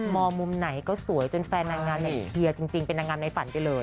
มองมุมไหนก็สวยจนแฟนนางงามเชียร์จริงเป็นนางงามในฝันไปเลย